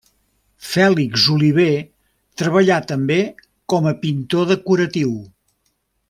Fèlix Oliver treballà també com a pintor decoratiu.